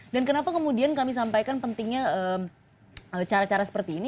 dan kenapa kemudian kami sampaikan pentingnya cara cara seperti ini